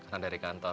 karena dari kantor